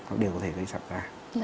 nó đều có thể gây sạm da